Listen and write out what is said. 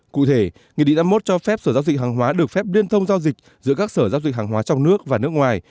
cụ thể nghị định năm mươi một cho phép sở giao dịch hàng hóa được phép liên thông giao dịch giữa các sở giao dịch hàng hóa trong nước và nước ngoài